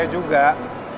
kamu lagi bawa aku ke rumah